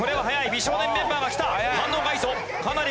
美少年メンバーが来た。